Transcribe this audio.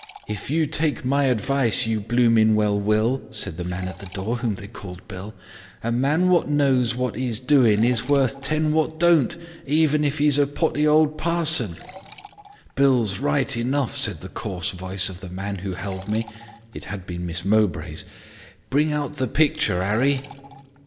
"'If you take my advice you bloomin' well will,' said the man at the door, whom they called Bill. 'A man wot knows wot 'e's doin' is worth ten wot don't, even if 'e's a potty old parson.' "'Bill's right enough,' said the coarse voice of the man who held me (it had been Miss Mowbray's). 'Bring out the picture, 'Arry.'